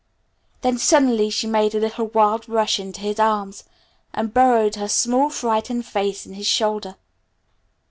Then suddenly she made a little wild rush into his arms and burrowed her small frightened face in his shoulder.